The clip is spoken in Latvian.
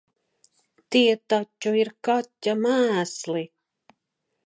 Tie taču ir kaķa mēsli!